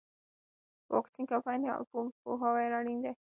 په واکسین کمپاین کې عامه پوهاوی اړین دی.